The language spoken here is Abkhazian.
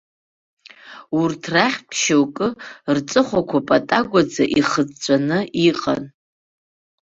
Урҭ рахьтә шьоукы рҵыхәақәа патагәаӡа ихыҵәҵәаны иҟан.